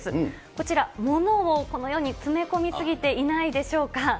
こちら、物をこのように詰め込みすぎていないでしょうか。